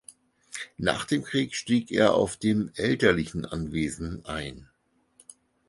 Nach dem Krieg stieg er auf dem elterlichen Anwesen ein.